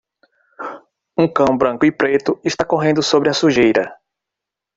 Um cão branco e preto está correndo sobre a sujeira.